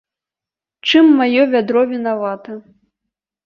Чым маё вядро вінавата?